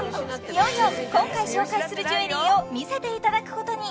いよいよ今回紹介するジュエリーを見せていただくことに